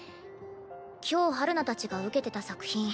今日陽菜たちが受けてた作品